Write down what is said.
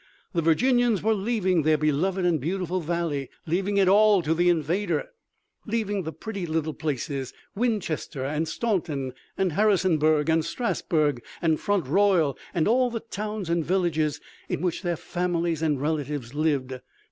The Virginians were leaving their beloved and beautiful valley, leaving it all to the invader, leaving the pretty little places, Winchester and Staunton and Harrisonburg and Strasburg and Front Royal, and all the towns and villages in which their families and relatives lived.